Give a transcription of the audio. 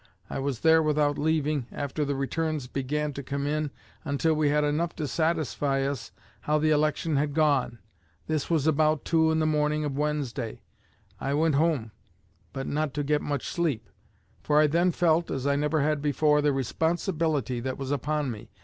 I was there without leaving, after the returns began to come in, until we had enough to satisfy us how the election had gone. This was about two in the morning of Wednesday. I went home, but not to get much sleep; for I then felt, as I never had before, the responsibility that was upon me.